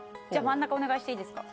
真ん中お願いしていいですか？